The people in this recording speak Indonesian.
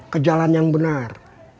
ke jalan yang benar